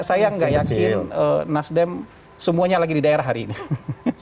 saya nggak yakin nasdem semuanya lagi di daerah hari ini